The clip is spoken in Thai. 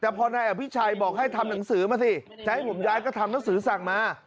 แต่พอนายอภิชัยบอกให้ทำหนังสือมาสิจะให้ผมย้ายก็ทำหนังสือสั่งมา